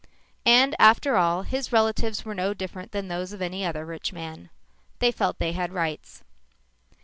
And after all, his relatives were no different than those of any other rich man. They felt they had rights.